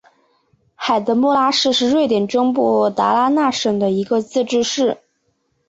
海德穆拉市是瑞典中部达拉纳省的一个自治市。